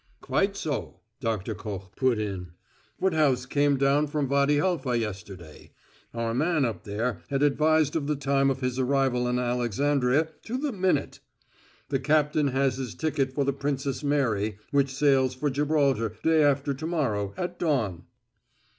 "Quite so," Doctor Koch put in. "Woodhouse came down from Wady Halfa yesterday. Our man up there had advised of the time of his arrival in Alexandria to the minute. The captain has his ticket for the Princess Mary, which sails for Gibraltar day after to morrow at dawn."